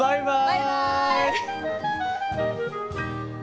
バイバイ！